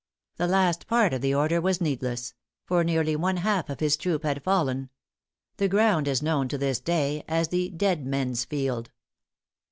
The last part of the order was needless; for nearly one half of his troop had fallen. The ground is known to this day as the Dead Men's Field.